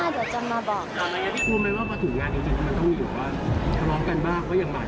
พลาดกันบ้างเพราะอย่างหมายถึงเขาก็มีการแบบว่า